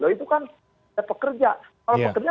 itu kan pekerja kalau pekerja